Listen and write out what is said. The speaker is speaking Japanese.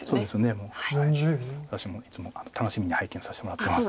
もう私もいつも楽しみに拝見させてもらってます。